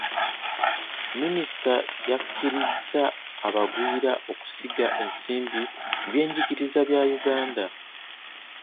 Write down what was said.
Minisita yakkiriza abagwira okusiga ensimbi mu by'enjigiriza bya Uganda.